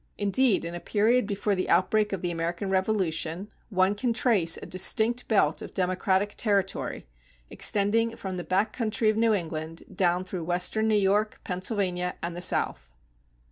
Indeed, in a period before the outbreak of the American Revolution, one can trace a distinct belt of democratic territory extending from the back country of New England down through western New York, Pennsylvania, and the South.